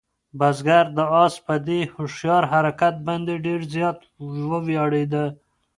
بزګر د آس په دې هوښیار حرکت باندې ډېر زیات وویاړېده.